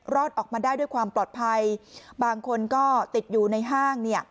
รอดออกมาได้ด้วยความปลอดภัยบางคนก็ติดอยู่ในห้างเนี่ย